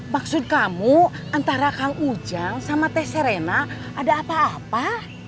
maksud kamu antara kang ujang sama teh serena ada apa apa